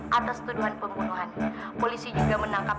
setelah setuduhan pembunuhan polisi juga menangkap